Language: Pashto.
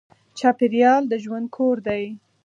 چاپېریال د ژوند کور دی.